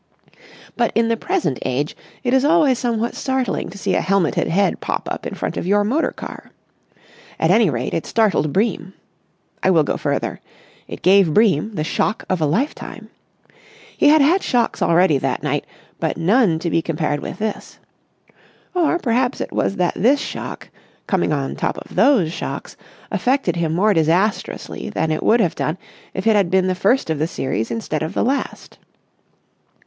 But in the present age it is always somewhat startling to see a helmeted head pop up in front of your motor car. At any rate, it startled Bream. I will go further. It gave Bream the shock of a lifetime. He had had shocks already that night, but none to be compared with this. Or perhaps it was that this shock, coming on top of those shocks, affected him more disastrously than it would have done if it had been the first of the series instead of the last.